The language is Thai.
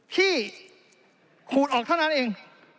ขูดออกเท่านั้นเอง